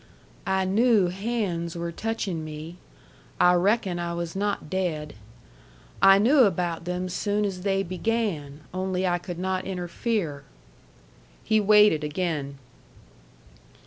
"I knew hands were touching me. I reckon I was not dead. I knew about them soon as they began, only I could not interfere." He waited again.